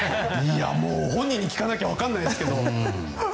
本人に聞かなきゃ分からないですけども。